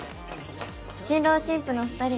新郎新婦のお二人。